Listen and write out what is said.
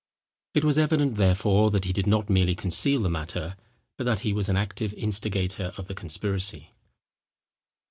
It was evident, therefore, that he did not merely conceal the matter; but that he was an active instigator of the conspiracy.